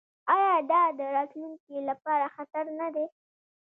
آیا دا د راتلونکي لپاره خطر نه دی؟